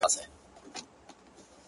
زه له توره بخته د توبې غیرت نیولی وم!.